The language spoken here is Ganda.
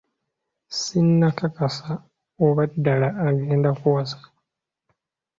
Sinakakasa oba ddala agenda kuwasa.